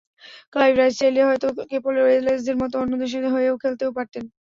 Clive Rice চাইলে হয়তো Kepler ওয়েসেলসদের মতো অন্য দেশের হয়ে খেলতেও পারতেন।